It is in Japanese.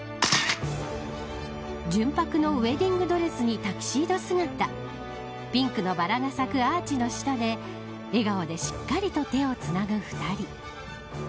純白のウエディングドレスにタキシード姿ピンクのバラが咲くアーチの下で笑顔でしっかりと手をつなぐ２人。